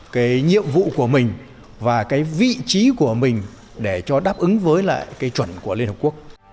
cái nhiệm vụ của mình và cái vị trí của mình để cho đáp ứng với lại cái chuẩn của liên hợp quốc